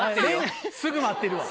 すぐ待ってるわ。